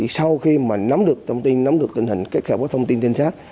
sau khi mà nắm được thông tin nắm được tình hình kết hợp với thông tin tên sát